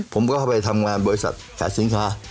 ผมก็เข้าไปทำงานบริษัทขายสินค้า